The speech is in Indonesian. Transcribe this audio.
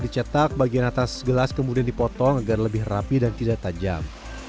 dicetak bagian atas gelas kemudian dipotong agar lebih rapi dan tidak tajam